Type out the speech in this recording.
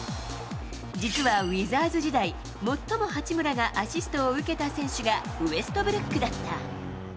実はウィザーズ時代、最も八村がアシストを受けた選手がウェストブルックだった。